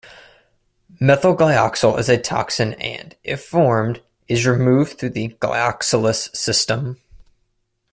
Methylglyoxal is a toxin and, if formed, is removed through the glyoxalase system.